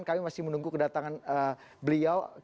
kami masih menunggu kedatangan beliau